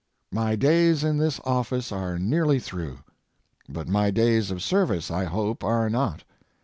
My days in this office are nearly through. But my days of service, I hope, are not.